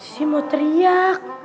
sisi mau teriak